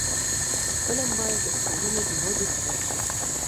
فلم باید د ټولنې د ودې سبب شي